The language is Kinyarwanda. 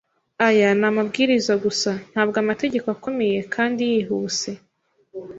Aya ni amabwiriza gusa, ntabwo amategeko akomeye kandi yihuse.